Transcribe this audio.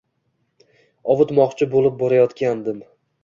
Ovutmoqchi bo`lib borayotgandim